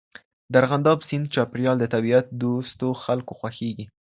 د ارغنداب سیند چاپېریال د طبیعت دوستو خلکو خوښیږي.